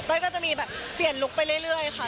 ก็จะมีแบบเปลี่ยนลุคไปเรื่อยค่ะ